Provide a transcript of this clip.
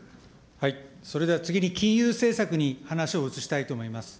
それでは次に、金融政策に話を移したいと思います。